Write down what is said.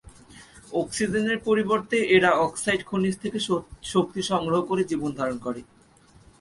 অক্সিজেনের পরিবর্তে এরা অক্সাইড খনিজ থেকে শক্তি সংগ্রহ করে জীবনধারণ করে।